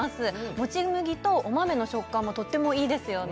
もち麦とお豆の食感もとってもいいですよね